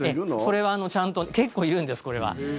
それはちゃんと結構いるんです、これは。